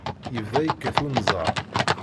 Yebda yekkat unẓar.